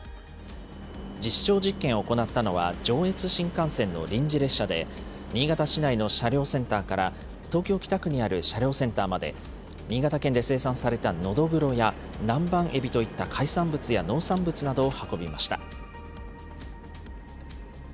実証実験を行ったのは、上越新幹線の臨時列車で、新潟市内の車両センターから東京・北区にある車両センターまで、新潟県で生産されたのどぐろや、南蛮エビといった海産物や農産物などを運びました。